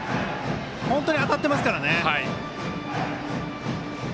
本当に当たってますからね。